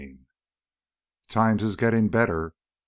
9 "Times is gittin' better."